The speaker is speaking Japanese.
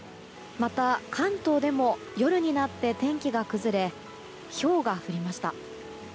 また、関東でも夜になって天気が崩れひょうが降りました。